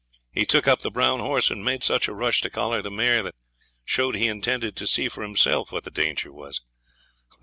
He took up the brown horse, and made such a rush to collar the mare that showed he intended to see for himself what the danger was.